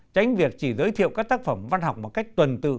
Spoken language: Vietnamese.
tránh việc chỉ giới thiệu các tác phẩm văn học một cách tuần tự